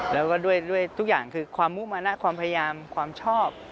แล้วก็ด้วยทุกอย่างคือความมุมนะความพยายามความชอบ